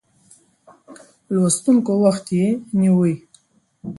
لوستونکو وخت یې نیوی.